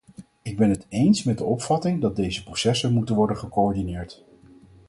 Ik ben het eens met de opvatting dat deze processen moeten worden gecoördineerd.